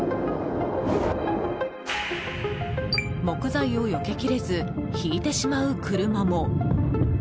木材をよけきれずひいてしまう車も。